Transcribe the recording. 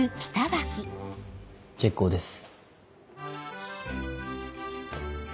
結構です。